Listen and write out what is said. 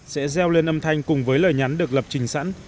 sẽ gieo lên âm thanh cùng với lời nhắn được lập trình sẵn